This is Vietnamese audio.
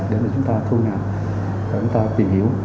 để mà chúng ta thu nhập để chúng ta tìm hiểu